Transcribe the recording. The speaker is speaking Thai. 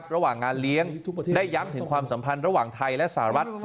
ระหว่างงานเลี้ยงได้ย้ำถึงความสัมพันธ์ระหว่างไทยและสหรัฐ